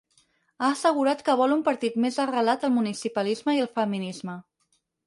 Ha assegurat que vol un partit més arrelat al municipalisme i al feminisme.